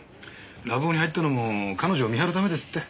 ラブホに入ったのも彼女を見張るためですって。